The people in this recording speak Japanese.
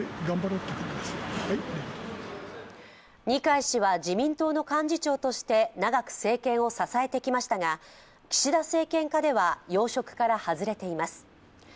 二階氏は自民党の幹事長として長く政権を支えてきましたが、岸田政権下では要職から外れています。